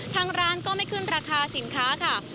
ทางร้านก็ไม่ขึ้นราคาสินค้าค่ะ